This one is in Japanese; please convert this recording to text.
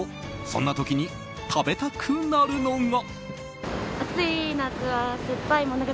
そんな時に食べたくなるのが。